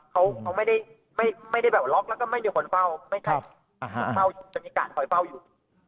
เขาเขาไม่ได้ไม่ไม่ได้แบบล็อกแล้วก็ไม่มีคนเฝ้าไม่ใช่อ่าฮะเขาจะมีกาสคอยเฝ้าอยู่